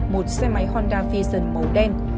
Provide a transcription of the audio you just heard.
một xe máy honda vision màu đen